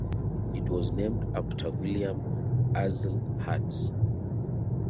It was named after William Axel Hertz.